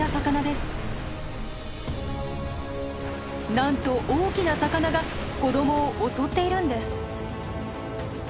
なんと大きな魚が子どもを襲っているんです。